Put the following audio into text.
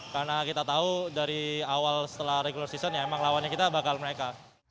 karena kita tahu dari awal setelah regular season ya memang lawannya kita bakal mereka